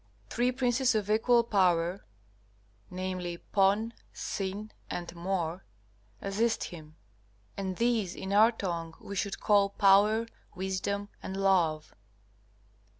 Three princes of equal power viz., Pon, Sin, and Mor assist him, and these in our tongue we should call Power, Wisdom, and Love.